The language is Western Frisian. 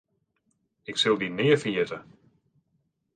Ik sil dy nea ferjitte.